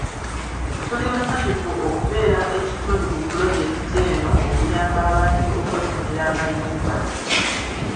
Tuli basanyufu okubeera ekitundu ku pulojekiti eno okuyamba abantu okwefunira amayumba.